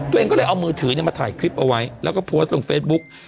ตัวเองก็เลยเอามือถือมาถ่ายคลิปเอาไว้แล้วก็โพสต์ลงเฟซบุ๊ก